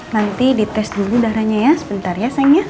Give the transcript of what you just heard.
nanti dites dulu darahnya ya sebentar ya